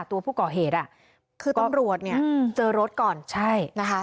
ตัวผู้ก่อเหตุอ่ะคือตำรวจเนี่ยเจอรถก่อนใช่นะคะ